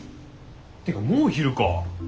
てかもう昼か。